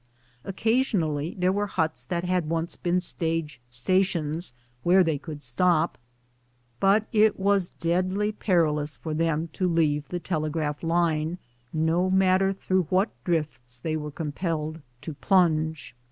Occasionally there were huts that had once been stage stations, where they could stop, but it was deadly pei ilous for them to leave the telegraph line, no matter through what drifts they were compelled to plunge.